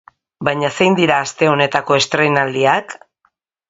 Baina zein dira aste honetako estreinaldiak?